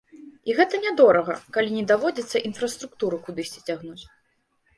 І гэта нядорага, калі не даводзіцца інфраструктуру кудысьці цягнуць.